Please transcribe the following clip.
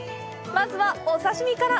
まずは、お刺身から。